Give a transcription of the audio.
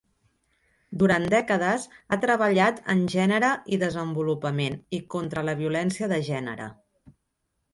Durant dècades ha treballat en gènere i desenvolupament i contra la violència de gènere.